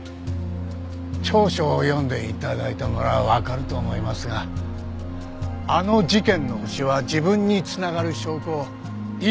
調書を読んで頂いたならわかると思いますがあの事件のホシは自分に繋がる証拠を一切残していなかったんです。